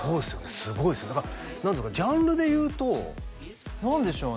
すごいですねだから何ていうんですかジャンルでいうと何でしょうね？